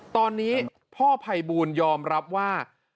ตอนนี้พ่อภัยบูลยอมรับว่า